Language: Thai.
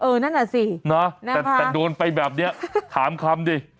เออนั่นน่ะสินะฮะนะฮะแต่โดนไปแบบนี้ถามคำดิ